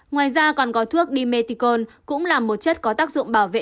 ngoài ra còn có thuốc dimethicone cũng là một chất có tác dụng bảo vệ